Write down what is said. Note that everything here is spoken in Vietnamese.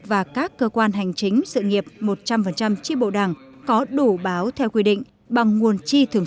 và các cơ quan hành chính sự nghiệp một trăm linh tri bộ đảng có đủ báo theo quy định bằng nguồn chi thường